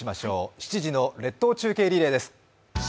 ７時の列島中継リレーです。